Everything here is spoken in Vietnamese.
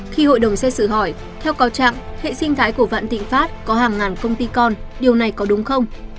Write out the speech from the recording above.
khi hội đồng xe xử hỏi theo cáo trạng hệ sinh thái của vạn tịnh phát có hàng ngàn công ty con điều này có đúng không